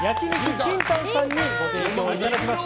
ＫＩＮＴＡＮさんにご提供いただきました。